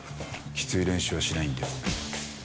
きつい練習はしないんで。